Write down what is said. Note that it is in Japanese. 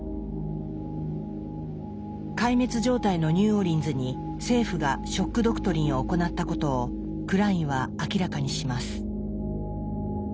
壊滅状態のニューオーリンズに政府が「ショック・ドクトリン」を行ったことをクラインは明らかにします。